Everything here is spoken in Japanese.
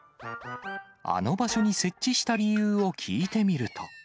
あの場所に設置した理由を聞いてみると。